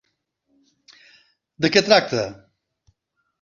De què tracta?